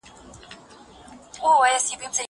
زه اوږده وخت اوبه پاکوم!